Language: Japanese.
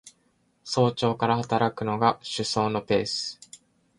早朝から働くのが首相のペース